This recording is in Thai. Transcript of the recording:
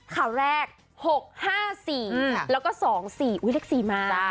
ข่าวแรก๖๕๔แล้วก็๒๔อุ๊ยเลข๔มา